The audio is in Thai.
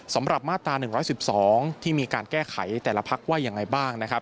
สำหรับมาตรา๑๑๒ที่มีการแก้ไขแต่ละพักว่ายังไงบ้างนะครับ